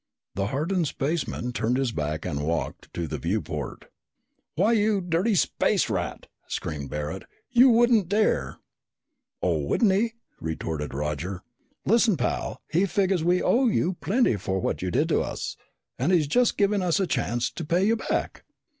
The hardened spaceman turned his back and walked to the viewport. "Why, you dirty space rat!" screamed Barret. "You wouldn't dare!" "Oh, wouldn't he!" retorted Roger. "Listen, pal, he figures we owe you plenty for what you did to us, and he's just giving us a chance to pay you back!"